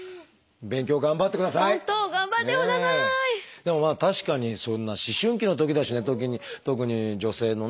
でも確かにそんな思春期のときだしね特に女性のね